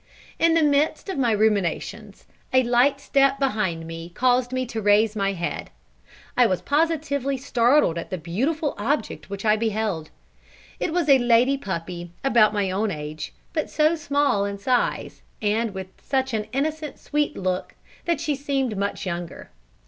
In the midst of my ruminations, a light step behind me caused me to raise my head. I was positively startled at the beautiful object which I beheld. It was a lady puppy about my own age, but so small in size, and with such an innocent sweet look, that she seemed much younger.